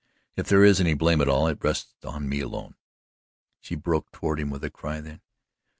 If there is any blame at all, it rests on me alone." She broke toward him with a cry then.